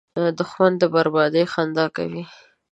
دښمن د بربادۍ خندا کوي